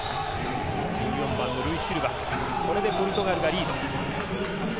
１４番のシルバ、これでポルトガルがリード。